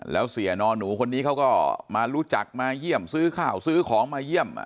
แล้วเสียนอนหนูคนนี้เขาก็มารู้จักมาเยี่ยมซื้อข้าวซื้อของมาเยี่ยม